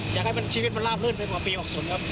อยากให้ชีวิตมันลาบลื่นไปกว่าปี๖๐ครับ